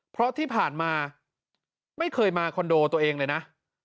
เพราะที่ผ่านมาไม่เคยมาคอนโดตัวเองเลยนะ